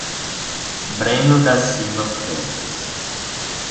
Breno da Silva Freitas